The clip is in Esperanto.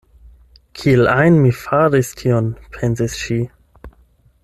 “Kiel ajn mi faris tion?” pensis ŝi.